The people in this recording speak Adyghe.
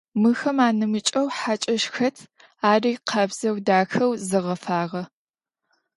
Мыхэм анэмыкӏэу хьакӏэщ хэт, ари къабзэу, дахэу зэгъэфагъэ.